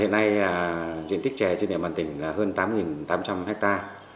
hiện nay diện tích trè trên địa bàn tỉnh là hơn tám tám trăm linh ha